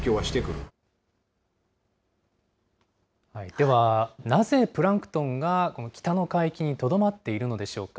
では、なぜ、プランクトンがこの北の海域にとどまっているのでしょうか。